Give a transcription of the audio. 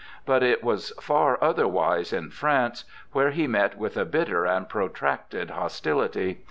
But it was far otherwise in France, where he met with a bitter and protracted hostility.